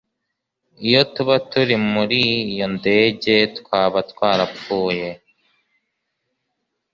iyo tuba turi muri iyo ndege, twaba twarapfuye